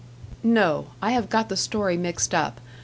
No, I have got the story mixed up.